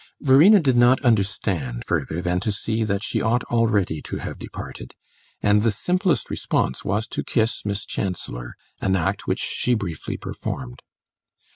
Verena did not understand further than to see that she ought already to have departed; and the simplest response was to kiss Miss Chancellor, an act which she briefly performed.